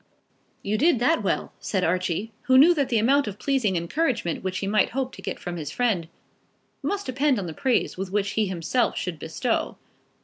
"You did that well," said Archie, who knew that the amount of pleasing encouragement which he might hope to get from his friend, must depend on the praise which he himself should bestow.